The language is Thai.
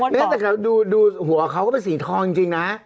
เมื่อที่เขาดูดูหัวขาของสีทองจริงนะ